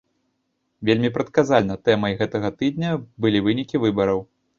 Вельмі прадказальна тэмай гэтага тыдня былі вынікі выбараў.